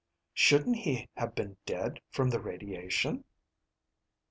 "Shouldn't he have been dead from the radiation?"